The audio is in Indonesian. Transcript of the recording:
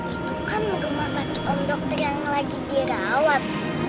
itu kan rumah sakit om dokter yang lagi dirawat